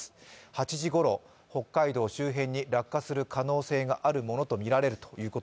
８時ごろ、北海道周辺に落下する可能性があるものとみられます。